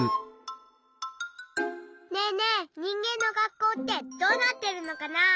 ねえねえにんげんの学校ってどうなってるのかな？